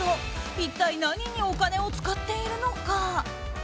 一体、何にお金を使っているのか。